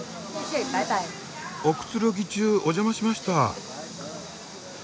おくつろぎ中お邪魔しました。